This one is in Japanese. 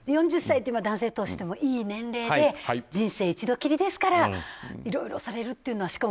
４０歳は男性としてもいい年齢で人生、一度きりですからいろいろされるというのは。